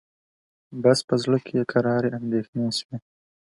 بس په زړه کي یې کراري اندېښنې سوې